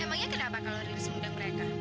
emangnya kenapa kalau riris mengundang mereka